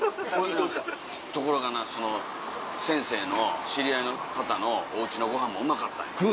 ところがなその先生の知り合いの方のおうちのご飯もうまかった。